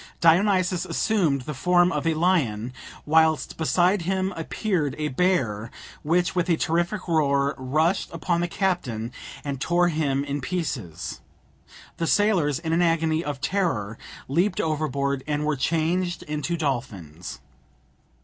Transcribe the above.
Dionysus assumed the form of a lion, whilst beside him appeared a bear, which, with a terrific roar, rushed upon the captain and tore him in pieces; the sailors, in an agony of terror, leaped overboard, and were changed into dolphins.